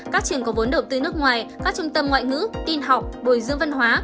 các trường có vốn đầu tư nước ngoài các trung tâm ngoại ngữ tin học bồi dưỡng văn hóa